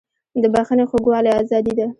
د بښنې خوږوالی ازادي ده.